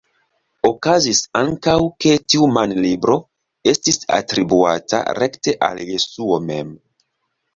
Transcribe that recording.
Okazis ankaŭ ke tiu manlibro estis atribuata rekte al Jesuo mem.